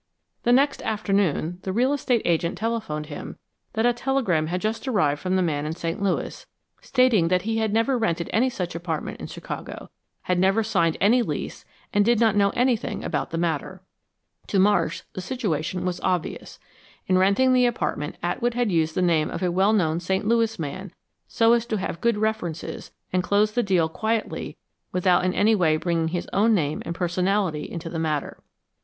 The next afternoon, the real estate agent telephoned him that a telegram had just arrived from the man in St. Louis, stating that he had never rented any such apartment in Chicago, had never signed any lease, and did not know anything about the matter. To Marsh, the situation was obvious. In renting the apartment Atwood had used the name of a well known St. Louis man so as to have good references and close the deal quietly without in any way bringing his own name and personality into the matter.